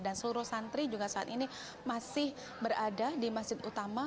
dan seluruh santri juga saat ini masih berada di masjid utama